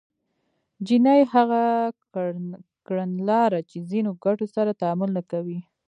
جیني هغه کړنلاره چې ځینو ګټو سره تعامل نه کوي